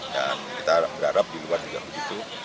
kita berharap di luar juga begitu